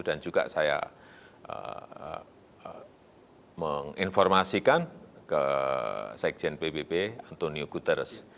dan juga saya menginformasikan ke sekjen ppp antonio guterres